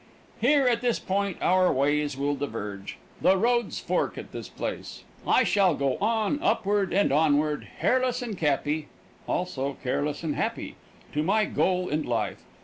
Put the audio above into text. Here at this point our ways will diverge. The roads fork at this place. I shall go on upward and onward hairless and cappy, also careless and happy, to my goal in life.